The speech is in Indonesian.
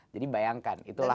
jadi bayangkan itulah